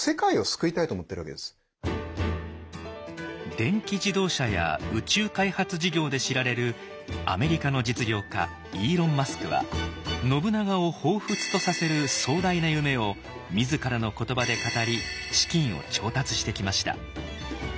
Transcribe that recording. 電気自動車や宇宙開発事業で知られるアメリカの実業家イーロン・マスクは信長をほうふつとさせる壮大な夢を自らの言葉で語り資金を調達してきました。